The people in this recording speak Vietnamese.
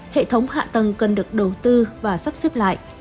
hệ thống hạ tầng cần được đầu tư và sắp xếp lại